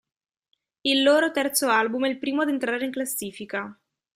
Il loro terzo album è il primo ad entrare in classifica.